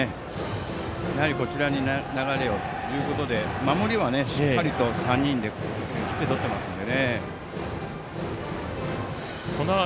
早くこちらに流れをということで守りは、しっかりと３人で流れを切ってとってますので。